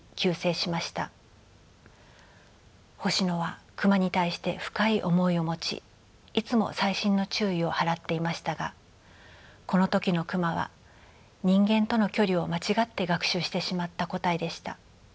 星野はクマに対して深い思いを持ちいつも細心の注意を払っていましたがこの時のクマは人間との距離を間違って学習してしまった個体でした。